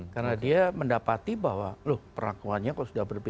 karena dia mendapati bahwa perangkuannya kalau sudah berbeda